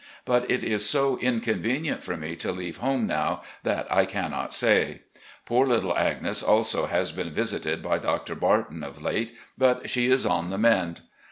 But it is so inconvenient for me to leave home now that I cannot say. ... Poor little Agnes also has been visited by Doctor Barton of late, but ^ is on the mend.